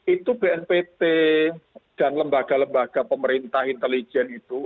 itu bnpt dan lembaga lembaga pemerintah intelijen itu